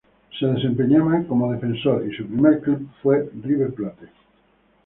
Se desempeñaba como defensor y su primer club fue River Plate.